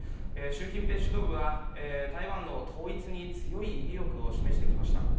習近平指導部は台湾の統一に強い意欲を示してきました。